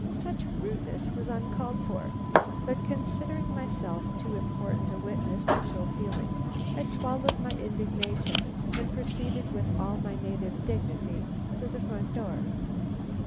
Such rudeness was uncalled for; but considering myself too important a witness to show feeling, I swallowed my indignation and proceeded with all my native dignity to the front door.